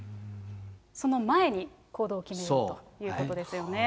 その前に行動を決めるということですよね。